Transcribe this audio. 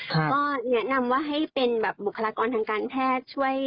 ก็แนะนำว่าให้เป็นแบบบุคลากรทางการแพทย์ช่วย